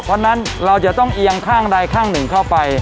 เพราะฉะนั้นเราจะต้องเอียงข้างใดข้างหนึ่งเข้าไป